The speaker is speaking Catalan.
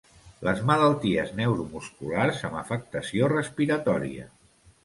Les malalties neuromusculars amb afectació respiratòria.